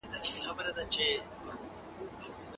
ما پرون یو سړی ولیدی چي د خدای په یاد کي و.